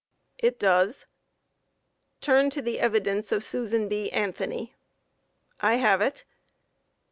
A. It does. Q. Turn to the evidence of Susan B. Anthony! A. I have it.